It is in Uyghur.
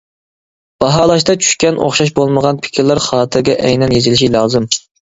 باھالاشتا چۈشكەن ئوخشاش بولمىغان پىكىرلەر خاتىرىگە ئەينەن يېزىلىشى لازىم.